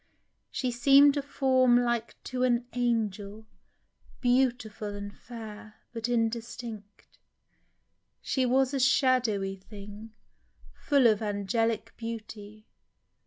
She seem'd a form Like to an angel, beautiful and fair. But indistinct. She was a shadowy thing, Full of angelic beauty